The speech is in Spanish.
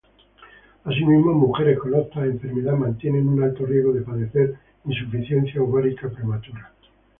Asimismo, mujeres con esta enfermedad mantienen un alto riesgo de padecer insuficiencia ovárica prematura.